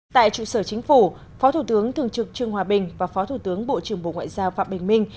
tại trụ sở chính phủ phó thủ tướng thường trực trương hòa bình và phó thủ tướng bộ trưởng bộ ngoại giao phạm bình minh